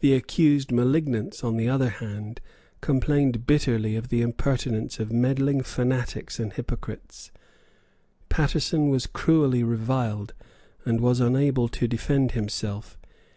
The accused malignants, on the other hand, complained bitterly of the impertinence of meddling fanatics and hypocrites. Paterson was cruelly reviled, and was unable to defend himself.